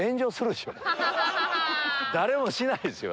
誰もしないですよ